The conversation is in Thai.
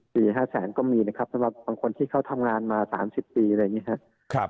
ปี๕แสนก็มีนะครับสำหรับบางคนที่เขาทำงานมา๓๐ปีอะไรอย่างนี้ครับ